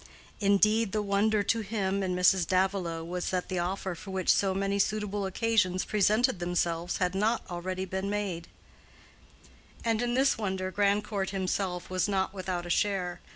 Indeed the wonder to him and Mrs. Davilow was that the offer for which so many suitable occasions presented themselves had not been already made; and in this wonder Grandcourt himself was not without a share.